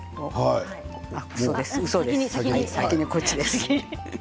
先にこっちです。